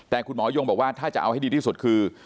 แต่คุณหมอยงบอกว่าถ้าจะเอาให้ดีที่สุดคือ